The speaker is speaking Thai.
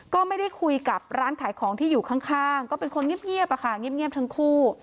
ก็ไม่ได้คุยกับร้านขายของที่อยู่ข้างก็เป็นคนเงียบอะค่ะเงียบทั้งคู่